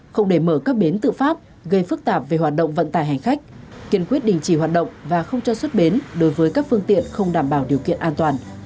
không để mở các bến tự phát gây phức tạp về hoạt động vận tải hành khách kiên quyết đình chỉ hoạt động và không cho xuất bến đối với các phương tiện không đảm bảo điều kiện an toàn